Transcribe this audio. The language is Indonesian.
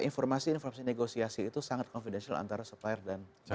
informasi informasi negosiasi itu sangat confidential antara supplier dan sebagainya